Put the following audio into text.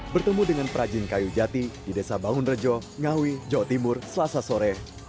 bertemu dengan perajin kayu jati di desa bangunrejo ngawi jawa timur selasa sore